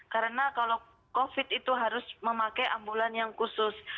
karena kalau covid itu harus memakai ambulans yang khusus